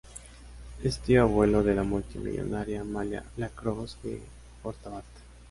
Es tío abuelo de la multimillonaria Amalia Lacroze de Fortabat.